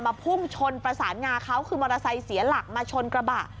พุ่งชนประสานงาเขาคือมอเตอร์ไซค์เสียหลักมาชนกระบะ